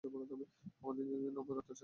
আমরা নিজেদের উপর অত্যাচার করেছি।